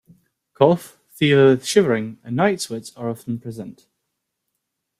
Cough, fever with shivering, and night sweats are often present.